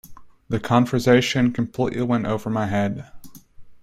The conversation completely went over my head.